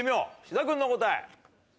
志田君の答え。